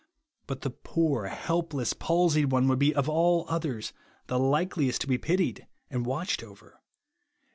But the poor helpless palsied one would be of all others the likeliest to be pitied and watched over.